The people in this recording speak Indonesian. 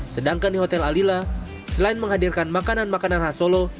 sedangkan di hotel alila selain menghadirkan makanan makanan khas solo